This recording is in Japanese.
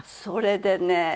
それでね